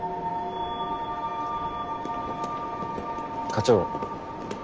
課長。